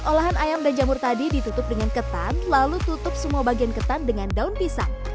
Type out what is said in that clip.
olahan ayam dan jamur tadi ditutup dengan ketan lalu tutup semua bagian ketan dengan daun pisang